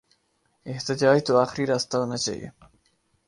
احتجاج تو آخری راستہ ہونا چاہیے۔